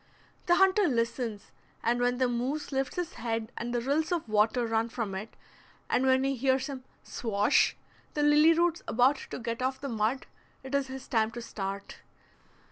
The hunter listens, and when the moose lifts his head and the rills of water run from it, and he hears him "swash" the lily roots about to get off the mud, it is his time to start.